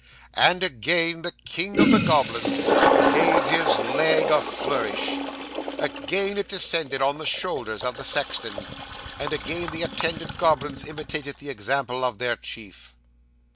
And again the king of the goblins gave his leg a flourish; again it descended on the shoulders of the sexton; and again the attendant goblins imitated the example of their chief.